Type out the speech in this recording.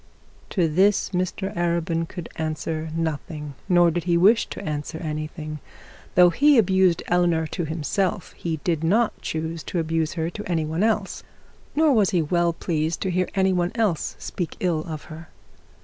To this Mr Arabin could answer nothing, nor did he wish to answer anything. Though he abused Eleanor to himself, he did not choose to abuse to any one else, nor was he well pleased to hear any one else speak ill of her.